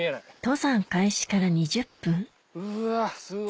登山開始から２０分うわすごい。